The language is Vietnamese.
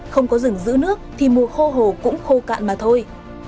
không có rừng giữ nước thì mùa khô hồ cũng khô cạn mà thôi